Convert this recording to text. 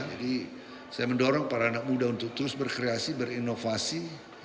jadi saya mendorong para anak muda untuk terus berkreasi berinovasi